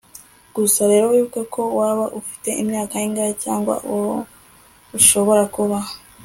Gusa rero wibuke uko waba ufite imyaka ingahe cyangwa aho ushobora kuba